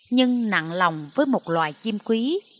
nhưng nặng lòng với một loài chim quý